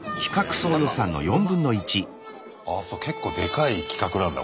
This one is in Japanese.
結構でかい企画なんだ。